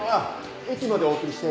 駅までお送りして。